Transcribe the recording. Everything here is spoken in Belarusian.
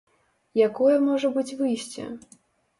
Якое можа быць выйсце?